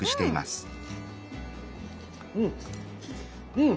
うん！